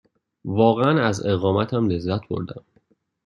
واقعاً از اقامتم لذت بردم.